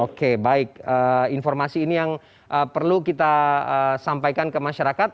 oke baik informasi ini yang perlu kita sampaikan ke masyarakat